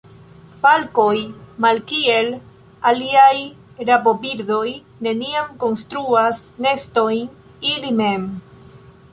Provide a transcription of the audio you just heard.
Falkoj malkiel aliaj rabobirdoj neniam konstruas nestojn ili mem.